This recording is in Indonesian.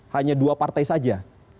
hanya dua partai saja